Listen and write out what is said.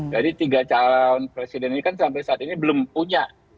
jadi tiga calon presiden ini kan sampai saat ini belum punya